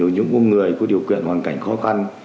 những người có điều kiện hoàn cảnh khó khăn